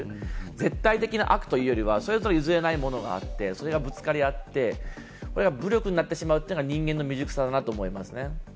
絶対的な悪というよりはそれぞれ譲れないものがあって、それがぶつかり合ってそれが武力になってしまうというのが人間の未熟さだなと思いますね。